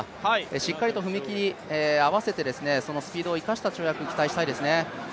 しっかりと踏み切り合わせて、それを生かした跳躍期待したいですね。